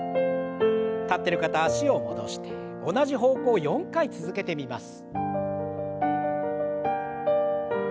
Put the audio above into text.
立ってる方脚を戻して同じ方向を４回続けてみます。